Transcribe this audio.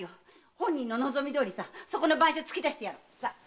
本人の望みどおりそこの番所へ突き出してやる。